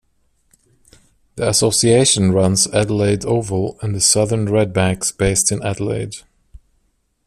The association runs Adelaide Oval and the Southern Redbacks based in Adelaide.